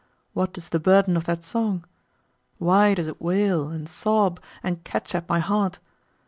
What is the burden of that song? Why does it wail and sob and catch at my heart?